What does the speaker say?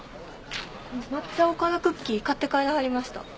抹茶おからクッキー買って帰らはりました。